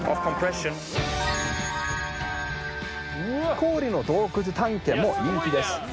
氷の洞窟探検も人気です。